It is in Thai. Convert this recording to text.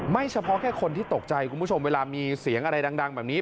เฉพาะแค่คนที่ตกใจคุณผู้ชมเวลามีเสียงอะไรดังแบบนี้